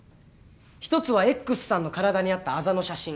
１つはＸさんの体にあったあざの写真。